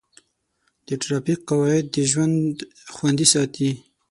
د ټرافیک قواعد د ژوند خوندي ساتي.